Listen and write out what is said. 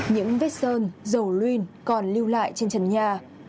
những vết sơn dầu luyên còn lưu lại trên trần nhà